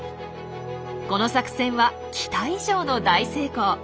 この作戦は期待以上の大成功。